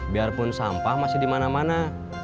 biarpun sampah masih dimana mana